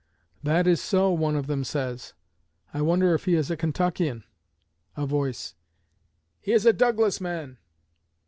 '] 'That is so,' one of them says; I wonder if he is a Kentuckian? [A voice 'He is a Douglas man.'